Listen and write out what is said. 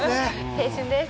青春です。